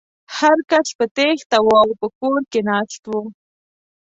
هر کس په تېښته و او په کور کې ناست و.